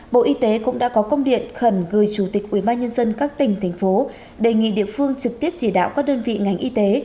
bộ y tế cũng đã có công điện khẩn gửi chủ tịch ubnd các tỉnh thành phố đề nghị địa phương trực tiếp chỉ đạo các đơn vị ngành y tế